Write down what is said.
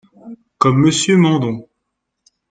Comme Monsieur Mandon